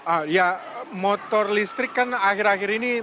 ah iya motor listrik kan akhir akhir ini